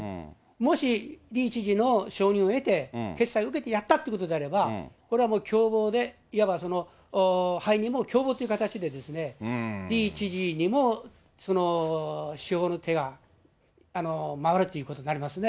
もしイ知事の承認を得て、決裁を受けてやったということになれば、これはもう共謀で、いわば背任も共謀という形で、イ知事にもその司法の手が回るということになりますね。